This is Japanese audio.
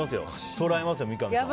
捉えますよ、三上さん。